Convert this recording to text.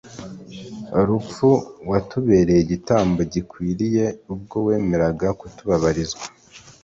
rupfu, Watuberey' igitambo gikwiriye, Ubwo wemeraga kutubabarizwa.